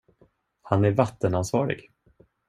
Han är vattenansvarig.